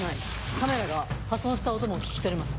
カメラが破損した音も聞き取れます。